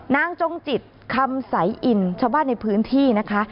จงจิตคำสายอินชาวบ้านในพื้นที่นะคะ